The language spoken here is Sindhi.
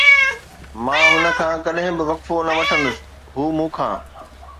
مان هن کان ڪڏهن به وقفو نه وٺندس، هو مون کان